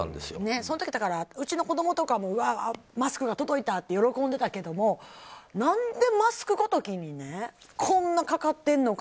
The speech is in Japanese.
その時、うちの子供とかもマスクが届いたって喜んでたけども何でマスクごときにこんなかかってるのか。